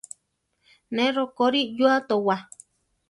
Ne rokorí yua towá.